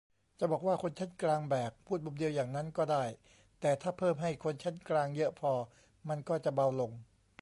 จะบอกว่า "คนชั้นกลางแบก" พูดมุมเดียวอย่างนั้นก็ได้ แต่ถ้าเพิ่มให้คนชั้นกลางเยอะพอ มันก็จะเบาลง